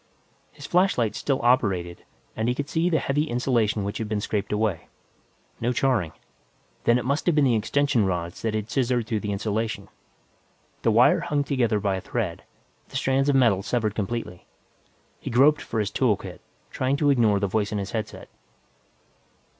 His flashlight still operated, and he could see the heavy insulation which had been scraped away. No charring; then it must have been the extension rods that had scissored through the insulation. The wire hung together by a thread, the strands of metal severed completely. He groped for his tool kit, trying to ignore the voice in his headset.